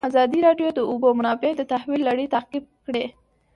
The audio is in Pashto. ازادي راډیو د د اوبو منابع د تحول لړۍ تعقیب کړې.